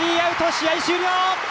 試合終了！